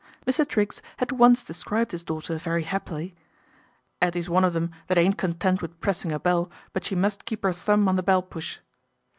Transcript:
Mr. Triggs had once described his daughter very happily :'' 'Ettie's one of them that ain't content with pressing a bell, but she must keep 'er thumb on the bell push."